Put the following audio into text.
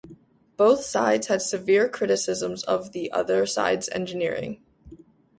Both sides had severe criticisms of the other side's engineering.